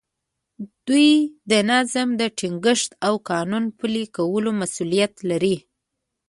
دوی د نظم د ټینګښت او قانون پلي کولو مسوولیت لري.